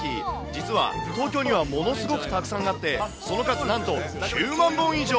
実は東京にはものすごくたくさんあって、その数なんと９万本以上。